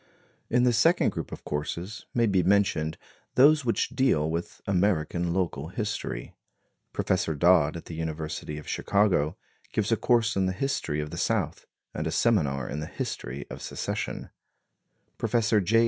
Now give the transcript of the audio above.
In the second group of courses may be mentioned those which deal with American local history. Professor Dodd at the University of Chicago gives a course in the history of the South, and a seminar in the history of Secession; Professor J.